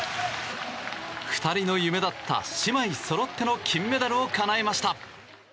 ２人の夢だった姉妹そろっての金メダルをかなえました。